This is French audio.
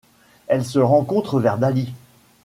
Elle se rencontre vers Dali.